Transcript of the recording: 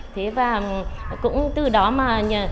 thế và cũng từ đó mà